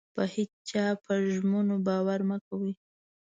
د هيچا په ژمنو مه باور مه کوئ.